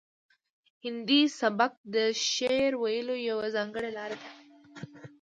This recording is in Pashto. هندي سبک د شعر ویلو یوه ځانګړې لار ده